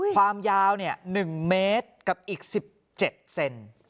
ความยาว๑เมตรกับอีก๑๗เซนติเซนติเซนติ